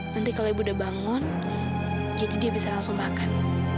nanti kalau ibu udah bangun jadi dia bisa langsung makan